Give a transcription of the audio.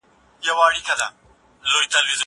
زه اوس د ښوونځی لپاره امادګي نيسم!؟